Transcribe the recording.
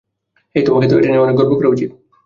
এই, তোমাকে তো এটা নিয়ে অনেক গর্ব করা উচিত।